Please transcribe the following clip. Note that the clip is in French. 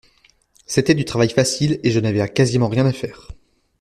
C’était du travail facile et je n’avais quasiment rien à faire.